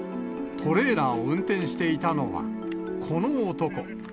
トレーラーを運転していたのはこの男。